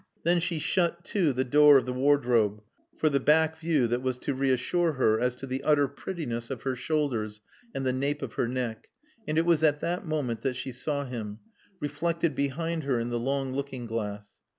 Then she shut to the door of the wardrobe (for the back view that was to reassure her as to the utter prettiness of her shoulders and the nape of her neck), and it was at that moment that she saw him, reflected behind her in the long looking glass.